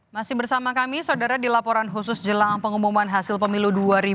masih bersama kami saudara di laporan khusus jelang pengumuman hasil pemilu dua ribu dua puluh